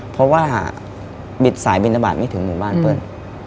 เพราะว่าบิดสายบินทบาทไม่ถึงหมู่บ้านเปิ้ล